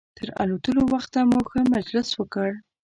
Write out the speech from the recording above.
تر الوتلو وخته مو ښه مجلس وکړ.